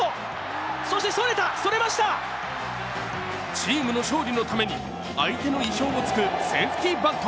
チームの勝利のために相手の意表を突くセーフティーバント。